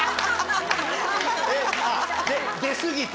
出過ぎて？